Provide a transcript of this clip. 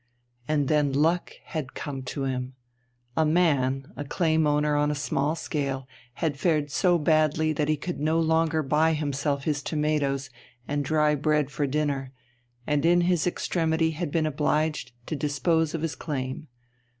And then luck had come to him. A man, a claim owner on a small scale, had fared so badly that he could no longer buy himself his tomatoes and dry bread for dinner, and in his extremity had been obliged to dispose of his claim.